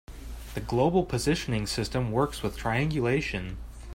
The global positioning system works with triangulation.